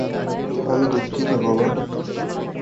আমি দুঃখিত, বাবা।